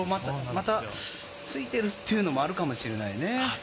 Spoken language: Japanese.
ついてるっていうのもあるかもしれないね。